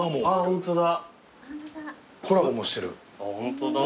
ホントだ。